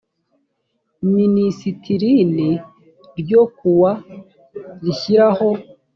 minisitirin ryo ku wa rishyiraho